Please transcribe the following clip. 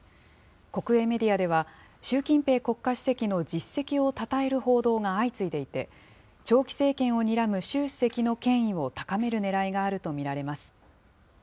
国営メディアでは、習近平国家主席の実績をたたえる報道が相次いでいて、長期政権をにらむ習主席の権威を高めるねらいがあると見られます。